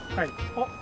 おっ。